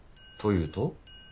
というと？